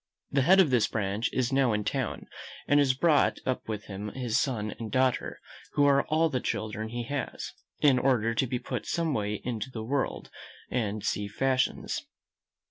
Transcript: The head of this branch is now in town, and has brought up with him his son and daughter, who are all the children he has, in order to be put some way into the world, and see fashions.